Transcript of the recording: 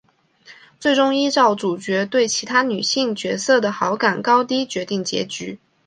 最终依照主角对其他女性角色的好感度高低决定结局。